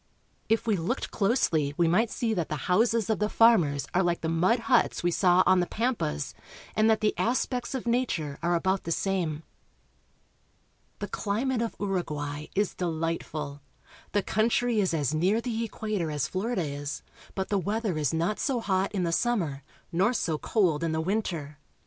If we looked closely we might see that the houses of the farmers are like the mud huts we saw on the pampas, and that the aspects of nature are about the same. The climate of Uruguay is delight ful. The country is as near the equa tor as Florida is, but the weather is not so hot in the summer, nor so cold in the winter.